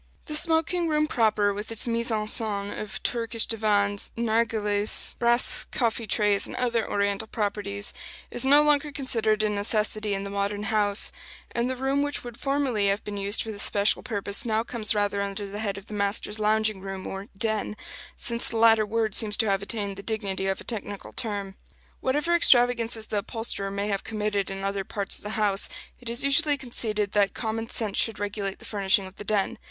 The smoking room proper, with its mise en scène of Turkish divans, narghilehs, brass coffee trays, and other Oriental properties, is no longer considered a necessity in the modern house; and the room which would formerly have been used for this special purpose now comes rather under the head of the master's lounging room, or "den" since the latter word seems to have attained the dignity of a technical term. Whatever extravagances the upholsterer may have committed in other parts of the house, it is usually conceded that common sense should regulate the furnishing of the den.